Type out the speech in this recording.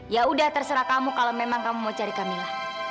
yaudah terserah kamu kalau memang kamu mau cari kamila